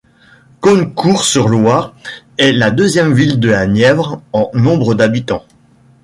Cosne-Cours-sur-Loire est la deuxième ville de la Nièvre en nombre d'habitants.